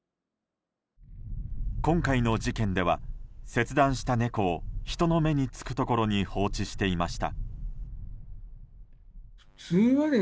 今回の事件では切断した猫を人の目につくところに放置していました。